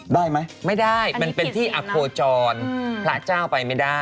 ได้ไหมไม่ได้มันเป็นที่อโคจรพระเจ้าไปไม่ได้